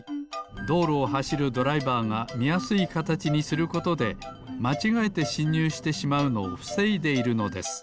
どうろをはしるドライバーがみやすいかたちにすることでまちがえてしんにゅうしてしまうのをふせいでいるのです。